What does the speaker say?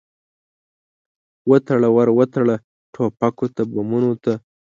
وتړه، ور وتړه ټوپکو ته، بمونو ته